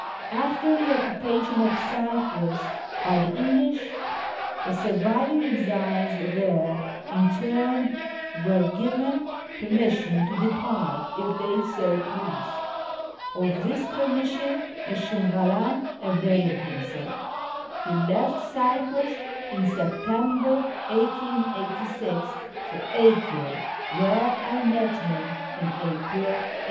After the occupation of Cyprus by the English, the surviving exiles there interned were given per mission to depart if they so pleased. Of this permission Mushkin Kalam availed himself He left Cyprus in September 1886 for Acre where I met him in April 1890.